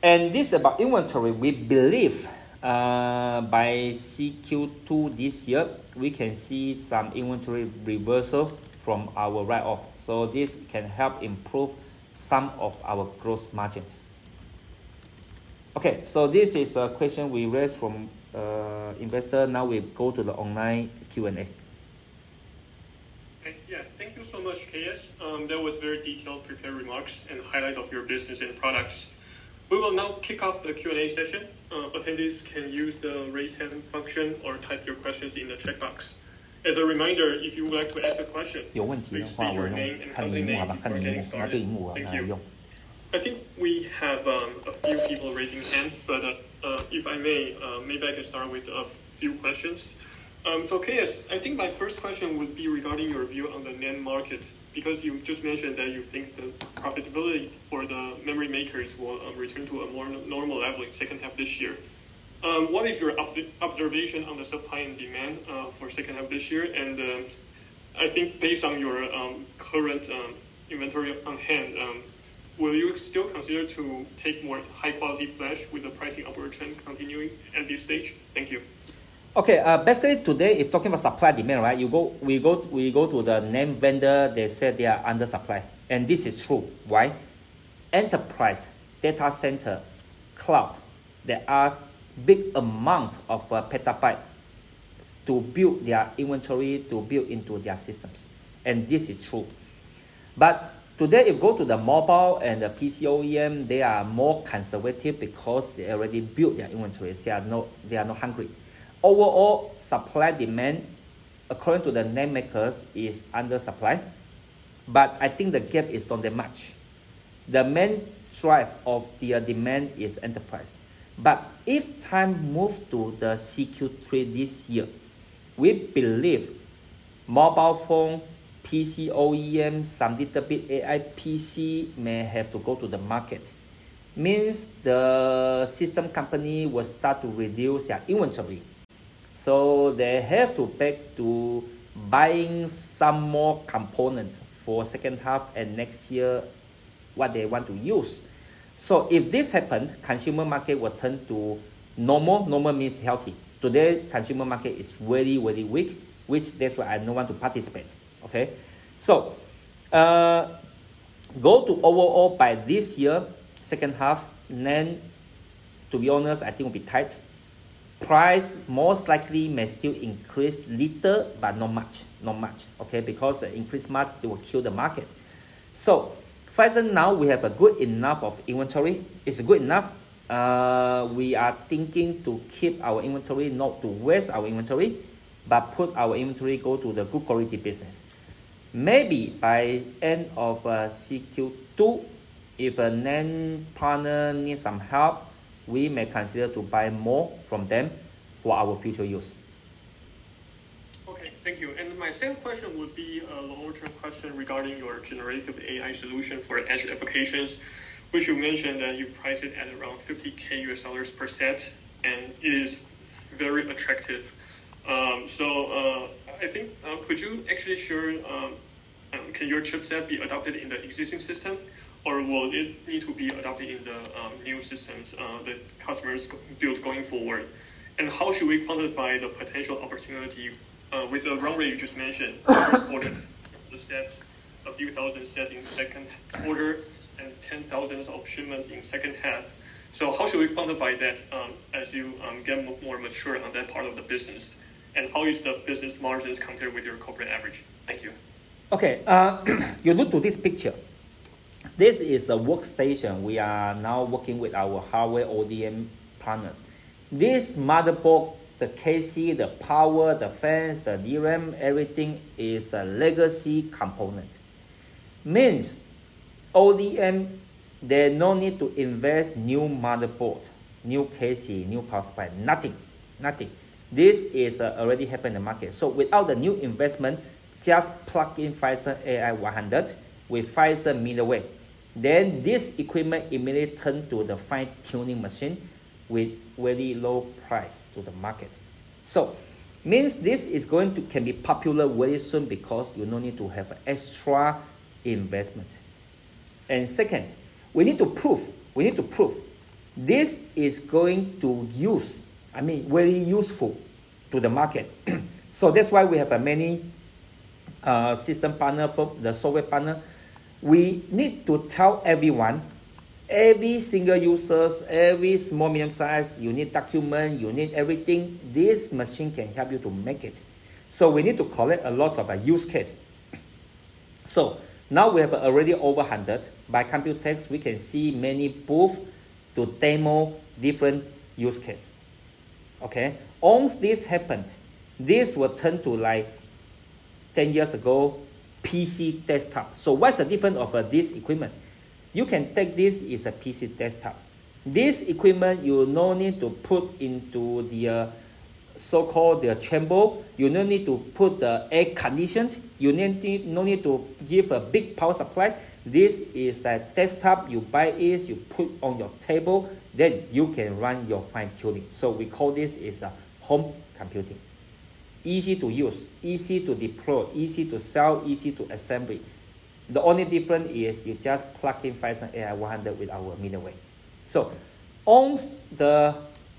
S2: And this about inventory, we believe by CQ2 this year, we can see some inventory reversal from our write-off. So this can help improve some of our gross margin. Okay. So this is a question we raised from investor. Now we go to the online Q&A.
S1: Yeah. Thank you so much, K.S. That was very detailed prepared remarks and highlight of your business and products. We will now kick off the Q&A session. Attendees can use the raise hand function or type your questions in the chat box. As a reminder, if you would like to ask a question, please state your name and come to the table. Thank you. I think we have a few people raising hands but if I may, maybe I can start with a few questions. So K.S., I think my first question would be regarding your view on the NAND market because you just mentioned that you think the profitability for the memory makers will return to a more normal level in second half this year. What is your observation on the supply and demand for second half this year? And I think based on your current inventory on hand, will you still consider to take more high quality flash with the pricing upward trend continuing at this stage? Thank you.
S2: Okay. Basically today, if talking about supply and demand, right? We go to the NAND vendor, they said they are under supply and this is true. Why? Enterprise, data center, cloud, they ask big amount of petabyte to build their inventory, to build into their systems and this is true. But today if you go to the mobile and the PC OEM, they are more conservative because they already built their inventory. They are not hungry. Overall, supply demand according to the NAND makers is under supply but I think the gap is not that much. The main drive of their demand is enterprise. But if time moves to the CQ3 this year, we believe mobile phone, PC OEM, some desktop AI PC may have to go to the market means the system company will start to reduce their inventory. So they have to go back to buying some more components for second half and next year what they want to use. So if this happens, consumer market will turn to normal, normal means healthy. Today consumer market is very, very weak which that's why I don't want to participate, okay? So overall by this year, second half, NAND, to be honest, I think will be tight. Price most likely may still increase little but not much, not much, okay? Because increase much, they will kill the market. So Phison now we have a good enough of inventory. It's good enough. We are thinking to keep our inventory, not to waste our inventory but put our inventory go to the good quality business. Maybe by end of CQ2, if a NAND partner needs some help, we may consider to buy more from them for our future use.
S1: Okay. Thank you. And my same question would be a longer term question regarding your generative AI solution for edge applications which you mentioned that you price it at around $50,000 per set and it is very attractive. So I think could you actually share can your chipset be adopted in the existing system or will it need to be adopted in the new systems the customers build going forward? And how should we quantify the potential opportunity with the runway you just mentioned? First quarter, a few 1,000 sets in second quarter and 10,000 of shipments in second half. So how should we quantify that as you get more mature on that part of the business and how is the business margins compared with your corporate average? Thank you.
S2: Okay. You look to this picture. This is the workstation we are now working with our hardware ODM partners. This motherboard, the chassis, the power, the fans, the DRAM, everything is a legacy component. Means ODM, there no need to invest new motherboard, new chassis, new power supply, nothing, nothing. This is already happen in the market. So without the new investment, just plug in Phison AI100 with Phison middleware. Then this equipment immediately turn to the fine-tuning machine with very low price to the market. So means this is going to can be popular very soon because you no need to have an extra investment. And second, we need to prove, we need to prove this is going to use, I mean very useful to the market. So that's why we have many system partner, the software partner. We need to tell everyone, every single users, every small, medium size, you need document, you need everything, this machine can help you to make it. So we need to collect a lot of use cases. So now we have already over 100 by COMPUTEX, we can see many booths to demo different use cases, okay? Once this happened, this will turn to like 10 years ago PC desktop. So what's the difference of this equipment? You can take this is a PC desktop. This equipment you no need to put into the so-called the chamber, you no need to put the air-conditioned, you no need to give a big power supply. This is that desktop you buy is, you put on your table, then you can run your fine-tuning. So we call this is a home computing. Easy to use, easy to deploy, easy to sell, easy to assembly. The only difference is you just plug in Phison ai100 with our middleware. So once the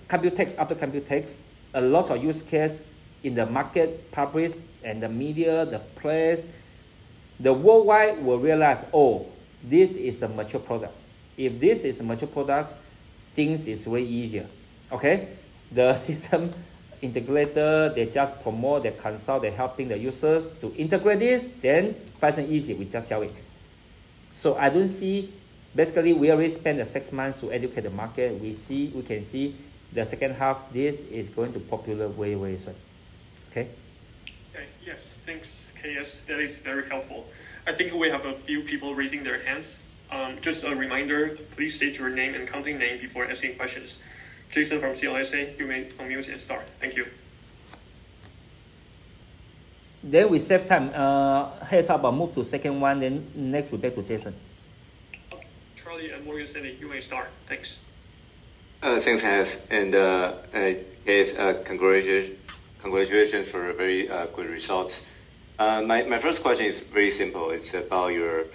S2: COMPUTEX, after COMPUTEX, a lot of use cases in the market published and the media, the press, the worldwide will realize, oh, this is a mature product. If this is a mature product, things is way easier, okay? The system integrator, they just promote, they consult, they're helping the users to integrate this, then Phison easy, we just sell it. So I don't see basically we already spend the six months to educate the market. We see, we can see the second half this is going to popular very, very soon, okay? Okay.
S1: Yes. Thanks, K.S. That is very helpful. I think we have a few people raising their hands. Just a reminder, please state your name and company name before asking questions. Jason from CLSA, you may unmute and start. Thank you.
S2: Then we Have time. Heads up, I'll move to second one, then next we're back to Jason. Okay.
S1: Charlie from Morgan Stanley, you may start. Thanks.
S3: Thanks, KS. And KS, congratulations for very good results. My first question is very simple. It's about your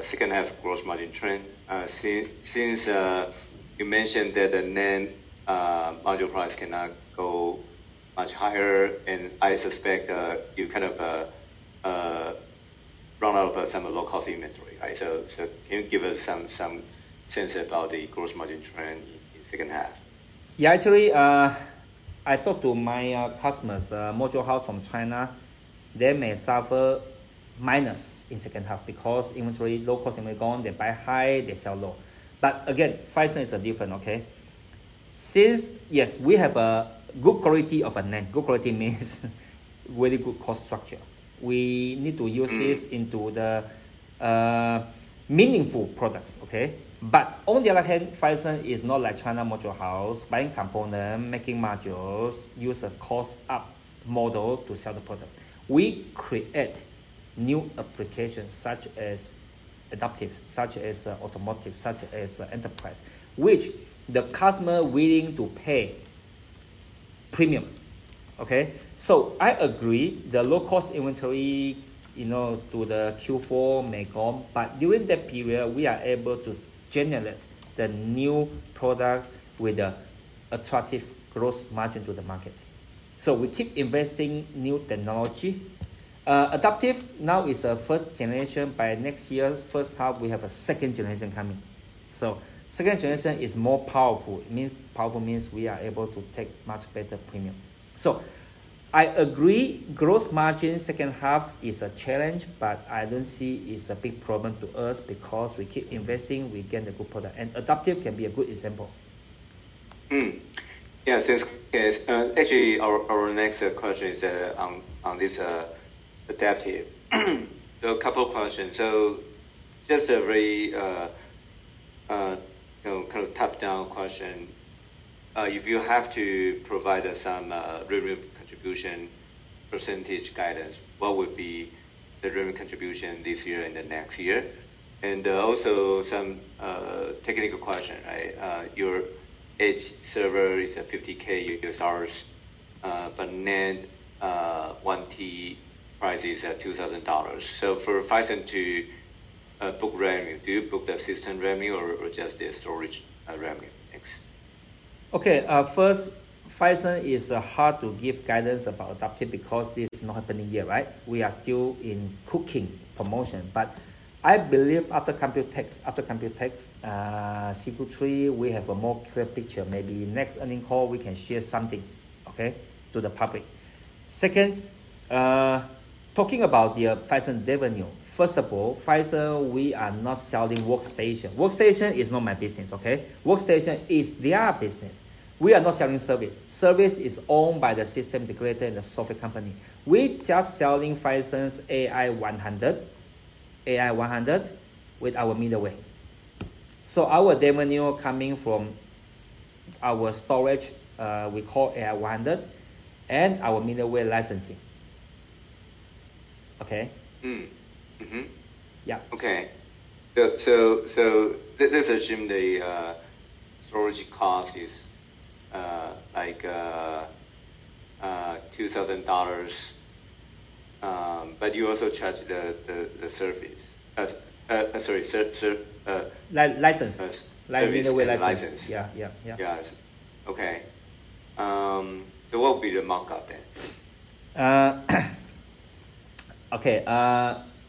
S3: second half gross margin trend. Since you mentioned that the NAND module price cannot go much higher and I suspect you kind of run out of some low cost inventory, right? So can you give us some sense about the gross margin trend in second half?
S2: Yeah. Actually, I talk to my customers, module house from China, they may suffer minus in second half because inventory, low cost inventory gone, they buy high, they sell low. But again, Phison is a different, okay? Since yes, we have a good quality of a NAND, good quality means very good cost structure. We need to use this into the meaningful products, okay? But on the other hand, Phison is not like China module house, buying component, making modules, use a cost up model to sell the products. We create new applications such as aiDAPTIV+, such as automotive, such as enterprise which the customer willing to pay premium, okay? So I agree the low cost inventory you know to the Q4 may gone but during that period we are able to generate the new products with the attractive gross margin to the market. So we keep investing new technology. aiDAPTIV+ now is a first generation. By next year first half, we have a second generation coming. So second generation is more powerful. Powerful means we are able to take much better premium. So I agree gross margin second half is a challenge but I don't see it's a big problem to us because we keep investing, we get the good product and aiDAPTIV+ can be a good example.
S3: Yeah. Thanks, K.S. Actually, our next question is on this aiDAPTIV+. So a couple of questions. So just a very kind of top down question. If you have to provide us some revenue contribution percentage guidance, what would be the revenue contribution this year and the next year? And also some technical question, right? Your edge server is a $50,000 but NAND 1T price is at $2,000. So for Phison to book revenue, do you book the system revenue or just the storage revenue? Thanks.
S2: Okay. First, Phison is hard to give guidance about aiDAPTIV+ because this is not happening yet, right? We are still in cooking promotion but I believe after COMPUTEX, after COMPUTEX, CQ3 we have a more clear picture. Maybe next earnings call we can share something, okay, to the public. Second, talking about the Phison revenue, first of all, Phison we are not selling workstation. Workstation is not my business, okay? Workstation is their business. We are not selling service. Service is owned by the system integrator and the software company. We just selling Phison's AI100, AI100 with our middleware. So our revenue coming from our storage, we call AI100 and our middleware licensing, okay?
S3: Yeah. Okay. So let's assume the storage cost is like $2,000 but you also charge the service. Sorry.
S2: License. Like middleware license. Yeah. Yeah. Yeah.
S3: Yeah. Okay. So what will be the markup then?
S2: Okay.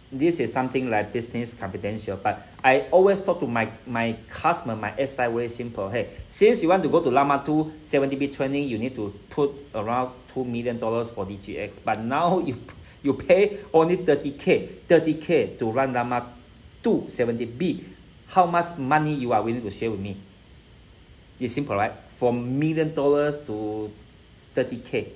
S2: This is something like business confidential but I always talk to my customer, my SI very simple. Hey, since you want to go to Llama 2 70B training, you need to put around $2 million for DGX but now you pay only 30K, 30K to run Llama 2 70B. How much money you are willing to share with me? It's simple, right? From million dollars to 30K.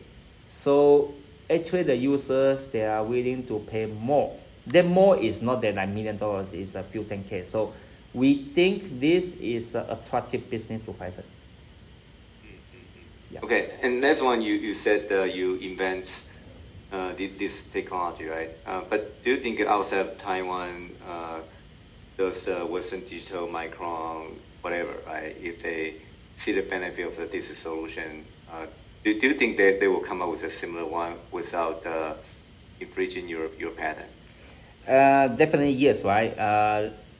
S2: So actually the users, they are willing to pay more. Then more is not that like a million dollars, it's a few 10K. So we think this is attractive business to Phison.
S3: Yeah. Okay. And next one, you said you invent this technology, right? But do you think outside of Taiwan, those Western Digital, Micron, whatever, right? If they see the benefit of this solution, do you think they will come up with a similar one without infringing your patent?
S2: Definitely yes, right?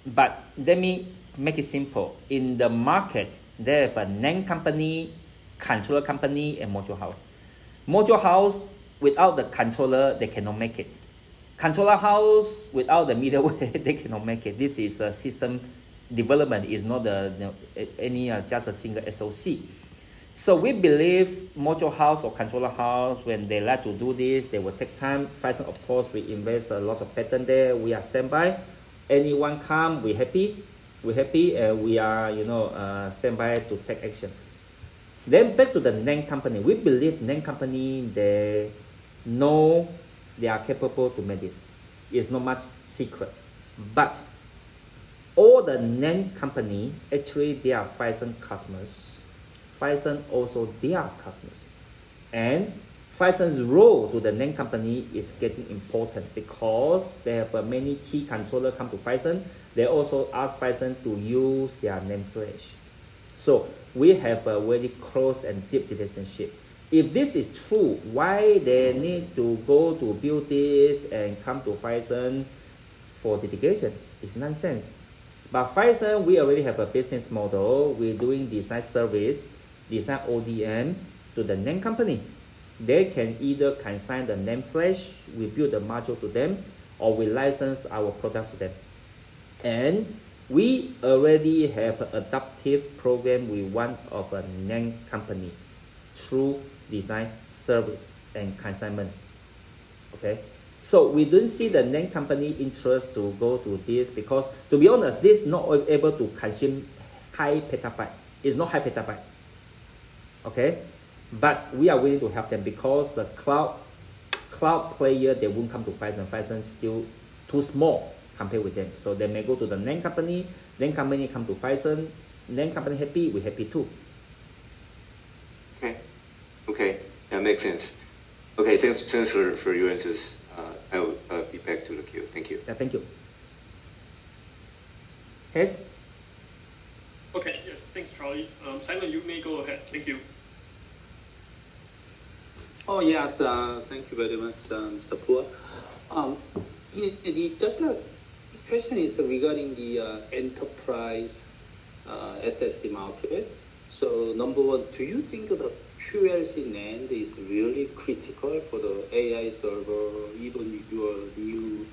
S2: But let me make it simple. In the market, there have a NAND company, controller company, and module house. Module house, without the controller, they cannot make it. Controller house, without the middleware, they cannot make it. This is a system development, it's not any just a single SOC. So we believe module house or controller house, when they let to do this, they will take time. Phison, of course, we invest a lot of patent there. We are standby. Anyone come, we're happy, we're happy and we are standby to take action. Back to the NAND company, we believe NAND company, they know they are capable to make this. It's not much secret. But all the NAND company, actually they are Phison customers. Phison also their customers. And Phison's role to the NAND company is getting important because they have many key controller come to Phison, they also ask Phison to use their NAND flash. So we have a very close and deep relationship. If this is true, why they need to go to build this and come to Phison for dedication? It's nonsense. But Phison, we already have a business model. We're doing design service, design ODM to the NAND company. They can either consign the NAND flash, we build the module to them, or we license our products to them. And we already have aiDAPTIV+ program with one of a NAND company through design service and consignment, okay? So we don't see the NAND company interest to go to this because to be honest, this is not able to consume high petabyte. It's not high petabyte, okay? But we are willing to help them because the cloud player, they won't come to Phison. Phison still too small compared with them. So they may go to the NAND company, NAND company come to Phison, NAND company happy, we're happy too.
S3: Okay. Okay. That makes sense. Okay. Thanks for your answers. I'll be back to look here. Thank you.
S2: Yeah. Thank you.S.
S1: Okay. Yes. Thanks, Charlie. Simon, you may go ahead. Thank you.
S4: Oh, yes. Thank you very much, Mr. Pua. The question is regarding the enterprise SSD market. So, number one, do you think the QLC NAND is really critical for the AI server, even your new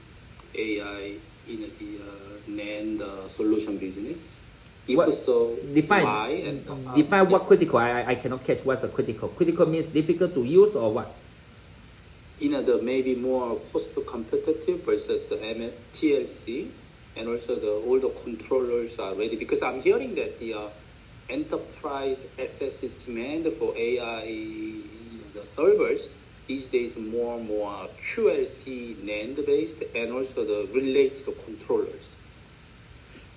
S4: AI in the NAND solution business? If so, why?
S2: Define. Define what critical. I cannot catch what's critical. Critical means difficult to use or what?
S4: Maybe more cost competitive versus TLC and also the older controllers are ready because I'm hearing that the enterprise SSD demand for AI servers these days more and more QLC NAND based and also the related controllers.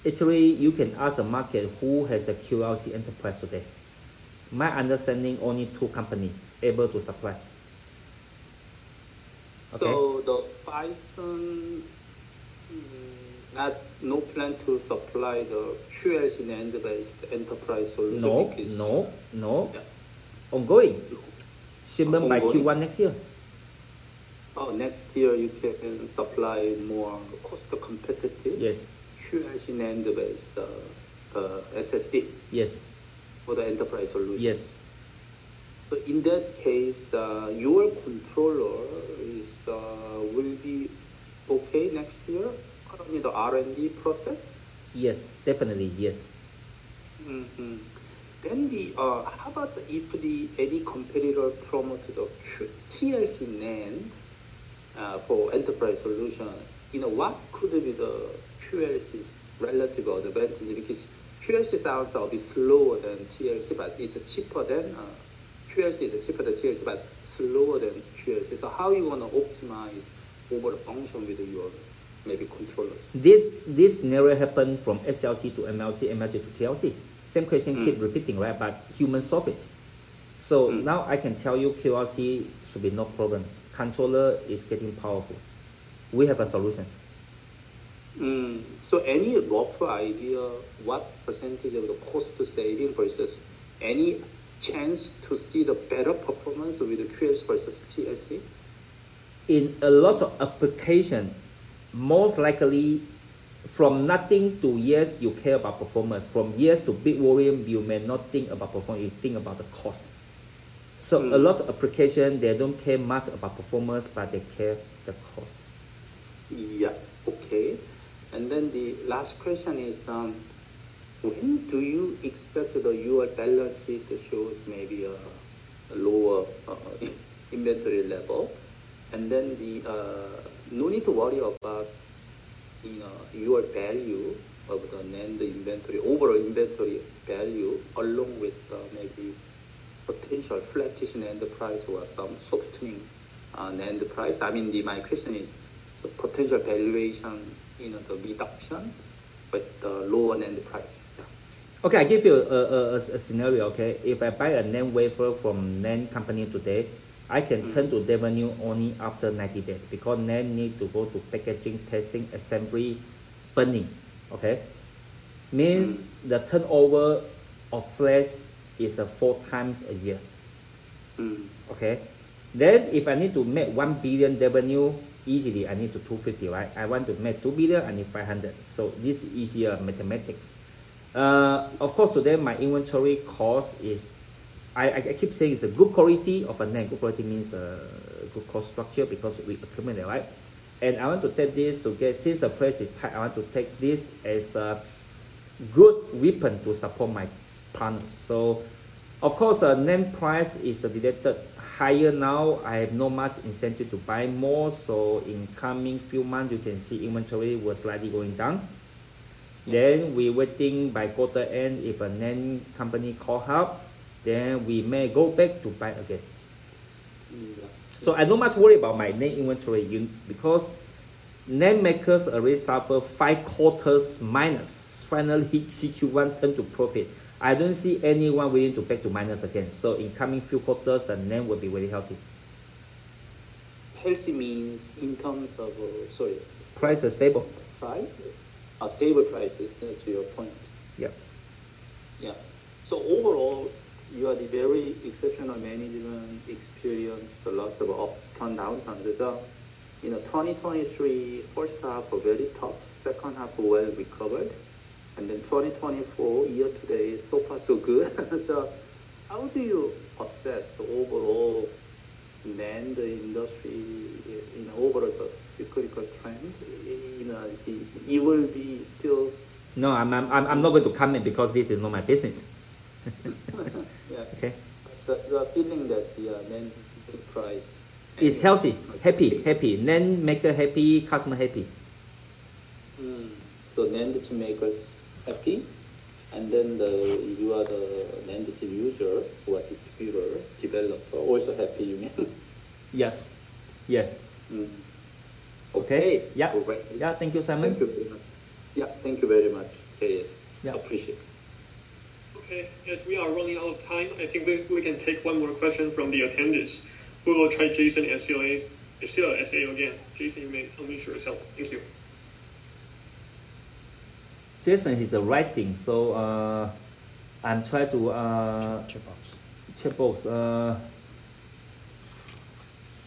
S2: Actually, you can ask the market who has a QLC enterprise today. My understanding, only two companies able to supply, okay?
S4: So the Phison no plan to supply the QLC NAND based enterprise solution because?
S2: No. No. No. Ongoing. Simon, by Q1 next year.
S4: Oh, next year you can supply more cost competitive QLC NAND based SSD for the enterprise solution?
S2: Yes.
S4: So, in that case, your controller will be okay next year? Currently the R&D process?
S2: Yes. Definitely. Yes.
S4: Then, how about if any competitor promote the TLC NAND for enterprise solution? What could be the QLC's relative advantage because QLC sounds a bit slower than TLC but it's cheaper than QLC is cheaper than TLC but slower than QLC. So how you want to optimize overall function with your maybe controllers?
S2: This never happened from SLC to MLC, MLC to TLC. Same question keep repeating, right? But humans solve it. So now I can tell you QLC should be no problem. Controller is getting powerful. We have a solution.
S4: So any rough idea what percentage of the cost saving versus any chance to see the better performance with the QLC versus TLC?
S2: In a lot of application, most likely from nothing to yes, you care about performance. From yes to big volume, you may not think about performance. You think about the cost. So a lot of application, they don't care much about performance but they care the cost.
S4: Yeah. Okay. And then the last question is when do you expect your balance sheet to show maybe a lower inventory level? And then no need to worry about your value of the NAND inventory, overall inventory value along with maybe potential flattish NAND price or some softening NAND price. I mean, my question is potential valuation in the reduction but the lower NAND price. Yeah.
S2: Okay. I give you a scenario, okay? If I buy a NAND wafer from NAND company today, I can turn to revenue only after 90 days because NAND need to go to packaging, testing, assembly, burn-in, okay? Means the turnover of flash is 4x a year, okay? Then if I need to make 1 billion revenue easily, I need to 250 million, right? I want to make 2.5 billion. So this is easier mathematics. Of course, today my inventory cost is I keep saying it's a good quality of a NAND. Good quality means good cost structure because we accumulate it, right? And I want to take this to get since the flash is tight, I want to take this as a good weapon to support my products. So of course, NAND price is related higher now. I have no much incentive to buy more. So in coming few months, you can see inventory was slightly going down. Then we're waiting by quarter end if a NAND company call help, then we may go back to buy again. So I don't much worry about my NAND inventory because NAND makers already suffer five quarters minus. Finally, CQ1 turned to profit. I don't see anyone willing to back to minus again. So in coming few quarters, the NAND will be very healthy.
S4: Healthy means in terms of—sorry.
S2: Price is stable.
S4: Price? A stable price to your point.
S2: Yeah.
S4: Yeah. So overall, you had a very exceptional management experience. There are lots of upturn, downturn. So 2023, first half very tough, second half well recovered. And then 2024 year to date, so far so good. So how do you assess overall NAND industry overall cyclical trend? It will be still?
S2: No, I'm not going to comment because this is not my business, okay?
S4: The feeling that the NAND price
S2: is healthy. Happy. Happy. NAND maker happy, customer happy.
S4: So NAND makers happy and then you are the NAND user who are distributor, developer, also happy, you mean?
S2: Yes. Yes. Okay. Yeah. Yeah. Thank you, Simon.
S4: Thank you very much. Yeah. Thank you very much, K.S.
S2: Appreciate.
S1: Okay. As we are running out of time, I think we can take one more question from the attendees. We will try Jason from CLSA again. Jason, you may unmute yourself. Thank you.
S2: Jason, he's writing.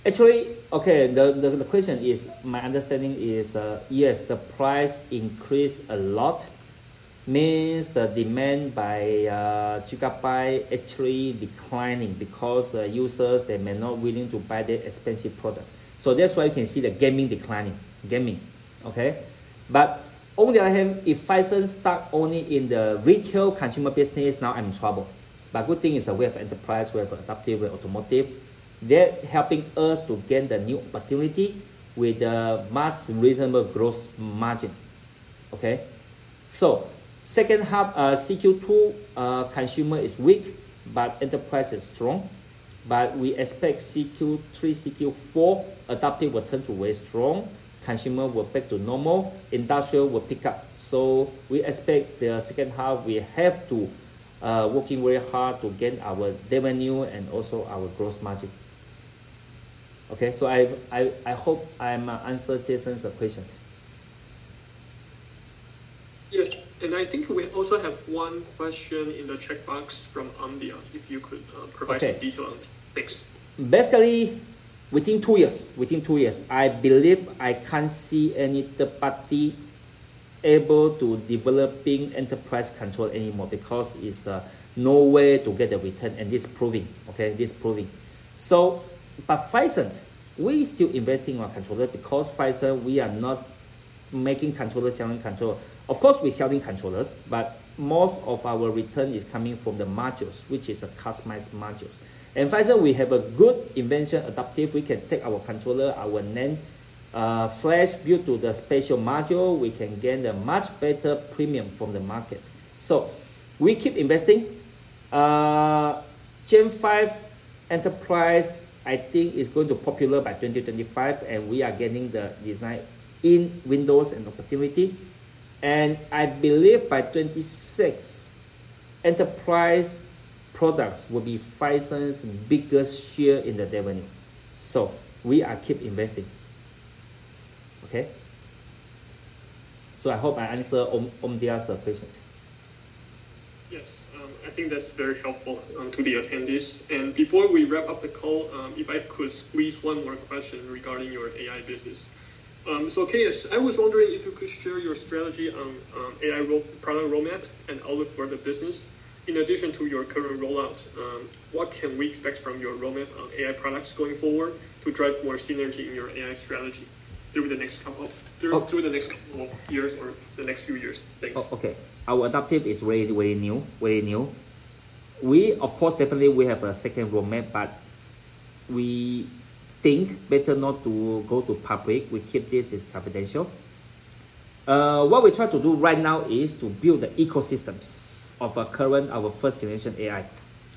S2: Actually, okay, the question is my understanding is yes, the price increased a lot means the demand by gigabyte actually declining because users, they may not willing to buy their expensive products. So that's why you can see the gaming declining, gaming, okay? But on the other hand, if Phison start only in the retail consumer business, now I'm in trouble. But good thing is we have enterprise, we have aiDAPTIV+, we have automotive. They're helping us to get the new opportunity with much reasonable gross margin, okay? So second half, CQ2 consumer is weak but enterprise is strong. But we expect CQ3, CQ4 aiDAPTIV+ will turn to very strong, consumer will back to normal, industrial will pick up. So we expect the second half we have to working very hard to get our revenue and also our gross margin, okay? So I hope I'm answered Jason's question.
S1: Yes. And I think we also have one question in the checkbox from Ambian if you could provide some detail on. Thanks.
S2: Basically, within two years, within two years, I believe I can't see any third party able to developing enterprise controller anymore because it's no way to get the return and this proving, okay? This proving. But Phison, we're still investing in our controller because Phison, we are not making controller, selling controller. Of course, we're selling controllers but most of our return is coming from the modules which is a customized modules. And Phison, we have a good invention aiDAPTIV+. We can take our controller, our NAND flash built to the special module. We can get a much better premium from the market. So we keep investing. Gen5 enterprise, I think, is going to popular by 2025 and we are getting the design wins and opportunity. And I believe by 2026, enterprise products will be Phison's biggest share in the revenue. So we keep investing, okay? So I hope I answer Ambian's question.
S1: Yes. I think that's very helpful to the attendees. And before we wrap up the call, if I could squeeze one more question regarding your AI business. So K.S., I was wondering if you could share your strategy on AI product roadmap and outlook for the business. In addition to your current rollout, what can we expect from your roadmap on AI products going forward to drive more synergy in your AI strategy during the next couple of years or the next few years? Thanks.
S2: Okay. Our aiDAPTIV+ is very, very new, very new. Of course, definitely we have a second roadmap but we think better not to go to public. We keep this as confidential. What we try to do right now is to build the ecosystems of our first generation AI,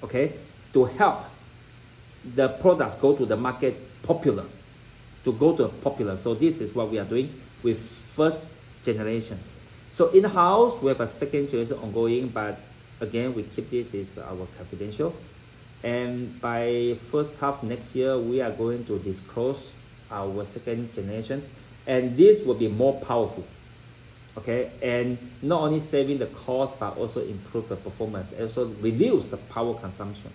S2: okay? To help the products go to the market popular, to go to popular. So this is what we are doing with first generation. So in-house, we have a second generation ongoing but again, we keep this as our confidential. And by first half next year, we are going to disclose our second generation and this will be more powerful, okay? And not only saving the cost but also improve the performance, also reduce the power consumption,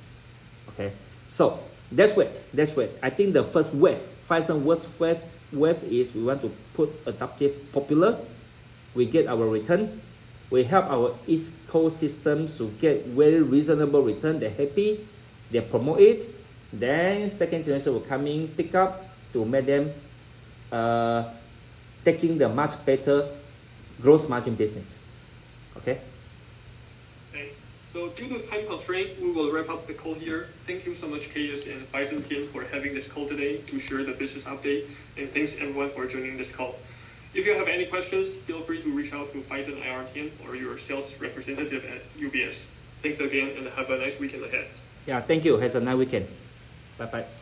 S2: okay? So that's what. That's what. I think the first wave, Phison's first wave is we want to put aiDAPTIV+ popular, we get our return, we help our ecosystems to get very reasonable return. They're happy. They promote it. Then second generation will coming, pick up to make them taking the much better gross margin business, okay?
S1: Okay. So due to time constraints, we will wrap up the call here. Thank you so much, K.S. and Phison team, for having this call today to share the business update. And thanks everyone for joining this call. If you have any questions, feel free to reach out to Phison IR team or your sales representative at UBS. Thanks again and have a nice weekend ahead.
S2: Yeah. Thank you. Have a nice weekend. Bye-bye.